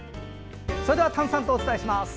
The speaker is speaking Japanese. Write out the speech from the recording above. それでは丹さんとお伝えします。